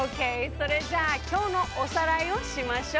それじゃあきょうのおさらいをしましょう！